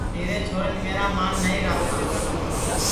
تیرے چھورین میرا مان نائی راکھا